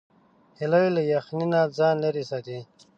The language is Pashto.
هیلۍ له یخنۍ نه ځان لیرې ساتي